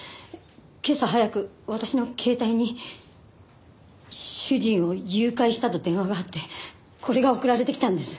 今朝早く私の携帯に主人を誘拐したと電話があってこれが送られてきたんです。